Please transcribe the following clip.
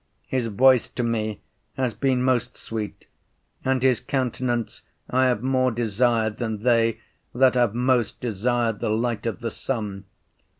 His voice to me has been most sweet, and his countenance I have more desired than they that have most desired the light of the sun.